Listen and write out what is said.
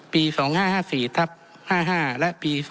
ปี๒๕๕๔๕๕และปี๒๕๕๕